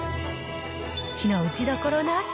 非の打ちどころなし。